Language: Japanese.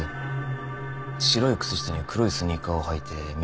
白い靴下に黒いスニーカーを履いて耳をかいていた。